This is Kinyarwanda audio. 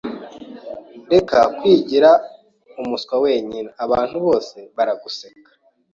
Reka kwigira umuswa wenyine. Abantu bose baraguseka.